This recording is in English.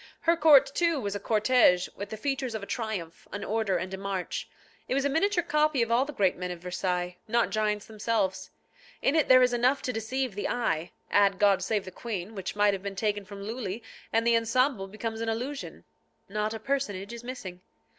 Her court, too, was a cortège, with the features of a triumph, an order and a march. It was a miniature copy of all the great men of Versailles, not giants themselves. In it there is enough to deceive the eye; add God save the Queen, which might have been taken from Lulli, and the ensemble becomes an illusion. Not a personage is missing.